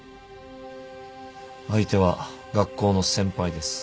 相手は学校の先輩です。